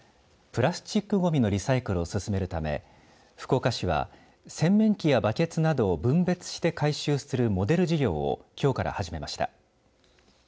プラスチックごみのリサイクルを進めるため福岡市は洗面器やバケツなどを分別して回収するモデル事業をきょうから始めました。